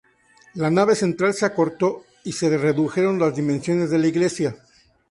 La nave central se acortó y se redujeron las dimensiones de la iglesia.